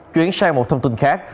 chuyển sang một thông tin khác